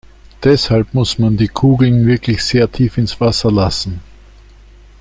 Deshalb muss man die Kugeln wirklich sehr tief ins Wasser lassen.